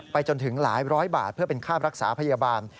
จนถึงหลายร้อยบาทเพื่อเป็นค่ารักษาพยาบาล